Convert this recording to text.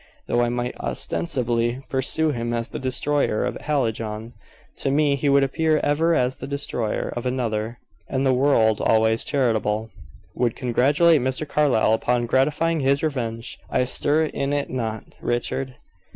Though I might ostensibly pursue him as the destroyer of Hallijohn, to me he would appear ever as the destroyer of another, and the world, always charitable, would congratulate Mr. Carlyle upon gratifying his revenge. I stir in it not, Richard."